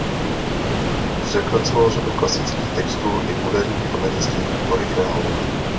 Přepracoval řadu klasických textů i moderních amerických originálů.